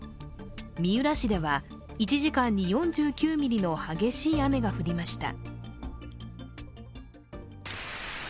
三浦市では１時間に４９ミリの激しい雨が降りました。